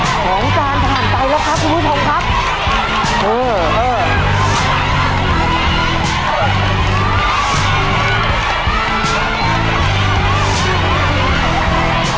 ของจานผ่านไปแล้วครับคุณผู้ชมครับเออเออ